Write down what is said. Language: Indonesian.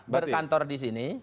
berkantor di sini